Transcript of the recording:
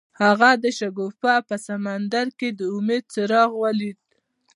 هغه د شګوفه په سمندر کې د امید څراغ ولید.